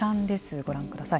ご覧ください。